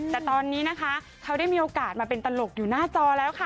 แต่ตอนนี้นะคะเขาได้มีโอกาสมาเป็นตลกอยู่หน้าจอแล้วค่ะ